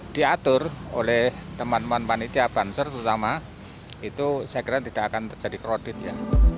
diatur oleh teman teman panitia banser terutama itu saya kira tidak akan terjadi kredit ya